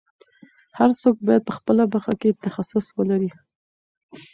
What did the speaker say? هر څوک باید په خپله برخه کې تخصص ولري.